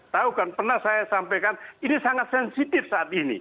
tahu kan pernah saya sampaikan ini sangat sensitif saat ini